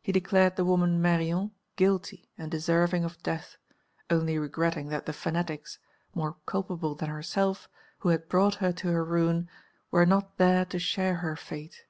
He declared the woman Meyrion guilty and deserving of death, only regretting that the fanatics, more culpable than herself, who had brought her to her ruin, were not there to share her fate.